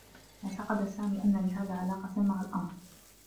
اعتقد سامي أنّ لهذا علاقة مع الأمر.